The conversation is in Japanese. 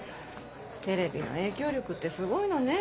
テレビの影響力ってすごいのね。